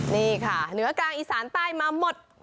นี่ค่ะเหนือกลางอีสานใต้มาหมด